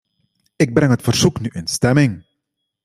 Ik breng het verzoek nu in stemming.